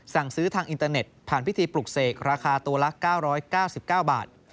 สั่งซื้อทางอินเตอร์เน็ตผ่านพิธีปลุกเสกราคาตัวละ๙๙๙บาท